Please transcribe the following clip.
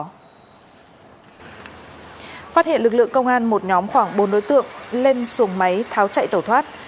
phát hiện lực lượng công an một nhóm khoảng bốn đối tượng lên xuồng máy tháo chạy tẩu thoát